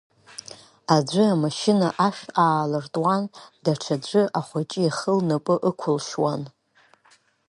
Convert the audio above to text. Аӡәы амашьына ашә аалыртуан, даҽаӡәы ахыҷы ихы лнапы ықәылшьуан.